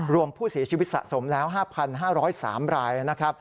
รวมผู้เสียชีวิตสะสมแล้ว๕๕๐๓รายนะครับ